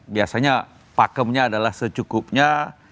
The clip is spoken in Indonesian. biasanya pakemnya adalah secukupnya